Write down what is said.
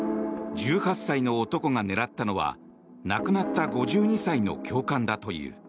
１８歳の男が狙ったのは亡くなった５２歳の教官だという。